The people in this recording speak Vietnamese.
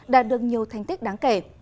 đạt được nhiều thành tích đáng kể